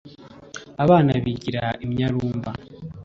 abana bigira imyarumba